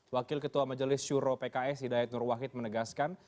wakil ketua majelis syuro pks hidayat nur wahid menegaskan